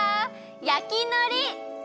焼きのり！